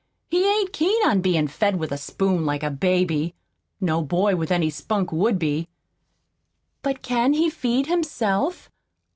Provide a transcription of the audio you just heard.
He ain't keen on bein' fed with a spoon like a baby. No boy with any spunk would be." "But can he feed himself?"